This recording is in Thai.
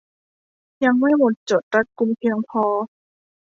ยังไม่หมดจดรัดกุมเพียงพอ